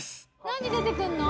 何出てくんの？